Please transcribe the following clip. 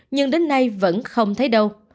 nhưng đến nay vẫn không thấy đâu